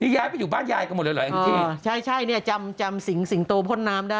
พี่ย้ายไปอยู่บ้านยายกันหมดเลยเหรอใช่จำสิงโตพ่นน้ำได้